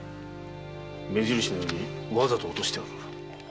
目印のようにわざと落としてある。